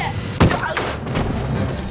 あっ！